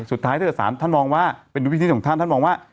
สุดท้ายถ้าเกิดสารท่านมองว่า